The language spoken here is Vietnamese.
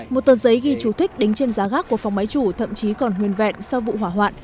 một tờ giấy ghi chú thích đính trên giá gác của phòng máy chủ thậm chí còn huyền vẹn sau vụ hỏa hoạn